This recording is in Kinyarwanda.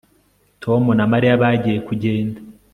Tom na Mariya bagiye kugenda